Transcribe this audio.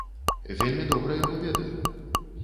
Вельмі добра яго ведаю.